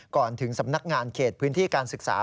ก่อนถึงสำนักงานเขตพื้นที่การศึกษา